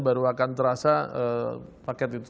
baru akan terasa paket itu